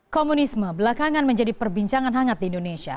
komunisme belakangan menjadi perbincangan hangat di indonesia